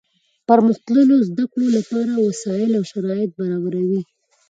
د پرمختللو زده کړو له پاره وسائل او شرایط برابروي.